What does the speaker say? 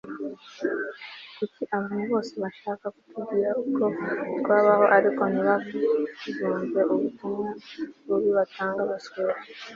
kuki abantu bose bashaka kutubwira uko twabaho ariko ntibazumve ubutumwa bubi batanga? (baswere!